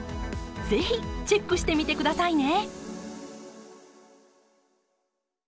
是非チェックしてみてくださいね！